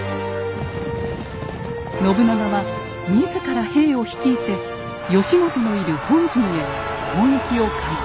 信長は自ら兵を率いて義元のいる本陣へ攻撃を開始。